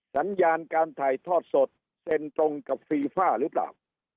สัญญาการถ่ายทอดสดเซ็นตรงกับฟีฟ่าหรือเปล่า